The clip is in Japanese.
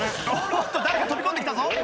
おっと誰か飛び込んできたぞ。